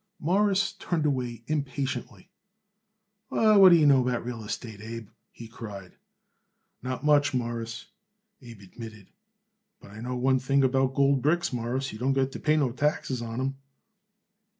Morris turned away impatiently. "What do you know about real estate, Abe?" he cried. "Not much, Mawruss," Abe admitted, "but I know one thing about gold bricks, Mawruss: you don't got to pay no taxes on 'em."